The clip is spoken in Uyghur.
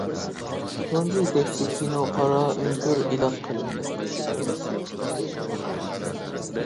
تۇنجى يېتەكچى كىنو «قارا ئۆڭكۈر» ئېلان قىلىندى.